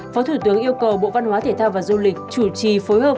phó thủ tướng yêu cầu bộ văn hóa thể thao và du lịch chủ trì phối hợp